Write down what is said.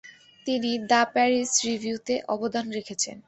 তিনি "the Paris রিভিউ"তে অবদান রেখেছেন।